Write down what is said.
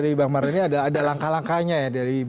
mbak mardana ini ada langkah langkahnya ya